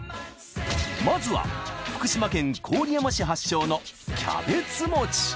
まずは福島県郡山市発祥のキャベツ餅。